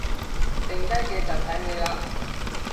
剩低嘅就睇你喇